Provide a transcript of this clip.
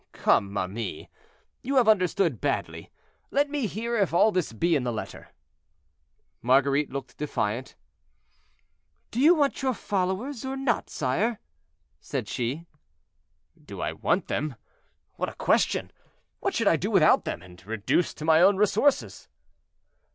"Come, ma mie, you have understood badly; let me hear if all this be in the letter." Marguerite looked defiant. "Do you want your followers or not, sire?" said she. "Do I want them? what a question! What should I do without them, and reduced to my own resources?"